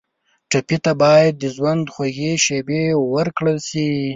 ټپي ته باید د ژوند خوږې شېبې ورکړل شي.